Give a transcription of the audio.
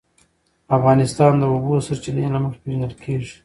افغانستان د د اوبو سرچینې له مخې پېژندل کېږي.